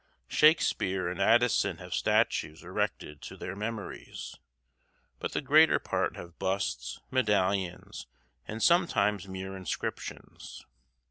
Shakespeare and Addison have statues erected to their memories, but the greater part have busts, medallions, and sometimes mere inscriptions.